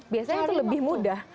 biasanya itu lebih mudah